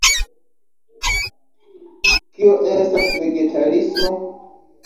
Kio estas vegetarismo?